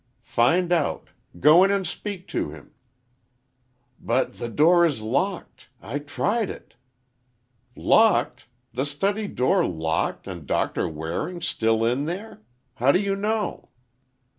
"Find out! Go in and speak to him." "But the door is locked. I tried it." "Locked! The study door locked, and Doctor Waring still in there? How do you know?"